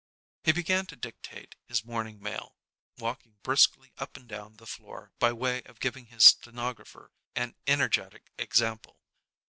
He began to dictate his morning mail, walking briskly up and down the floor by way of giving his stenographer an energetic example.